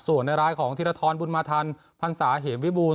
ส่วนในรายของธิรทรบุญมาทันพรรษาเหมวิบูร